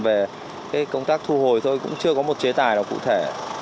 về công tác thu hồi rồi cũng chưa có một chế tài nào cụ thể